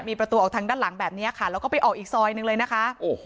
มีประตูออกทางด้านหลังแบบนี้ค่ะแล้วก็ไปออกอีกซอยหนึ่งเลยนะคะโอ้โห